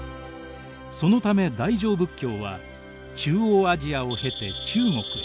そのため大乗仏教は中央アジアを経て中国へ。